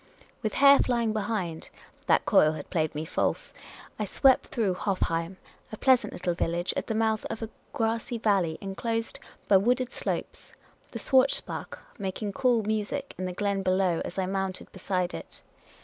With hair flying behind — that coil had played me false— I swept through Hofheim, a pleasant little village at the mouth of a grassy valley inclosed by wooded slopes, the Schwarzbach making cool music in the glen below as I mounted beside it.